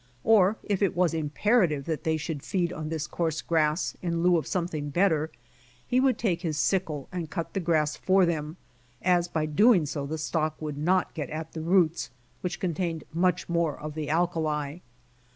Or if it was imperative that they should feed on this coarse grass in lieu of something better, he would take his sickle and cut the grass for them, as by so doing the stock would not get at the roots, which contained much more of the alkali.